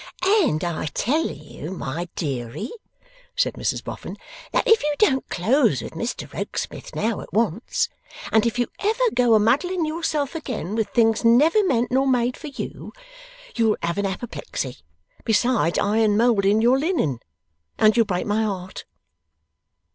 'And I tell you, my deary,' said Mrs Boffin, 'that if you don't close with Mr Rokesmith now at once, and if you ever go a muddling yourself again with things never meant nor made for you, you'll have an apoplexy besides iron moulding your linen and you'll break my heart.